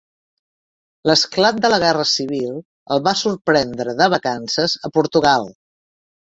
L'esclat de la guerra civil el va sorprendre de vacances a Portugal.